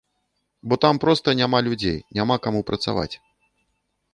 Бо там проста няма людзей, няма каму працаваць.